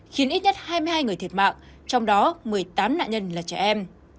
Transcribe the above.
khiến ít nhất hai mươi hai người thiệt mạng trong đó một mươi tám nạn nhân là trẻ em